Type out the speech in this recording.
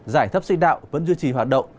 giải thấp sinh đạo vẫn duy trì hoạt động